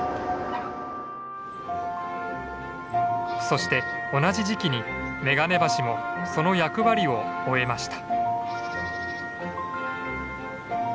そして同じ時期にめがね橋もその役割を終えました。